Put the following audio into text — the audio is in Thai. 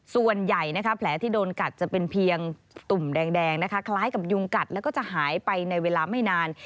ส่วนใหญ่แผลที่โดนกัดจะเป็นเพียงตุ่มแดงนะคะคล้ายกับยุงกัดแล้วก็จะหายไปในเวลาไม่นาน